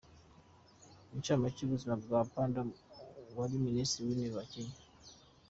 Incamake y’ubuzima bwa Panda wari Minisitiri w’Intebe wa kenya